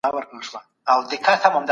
عدالت د پاچاهۍ دوام تضمینوي.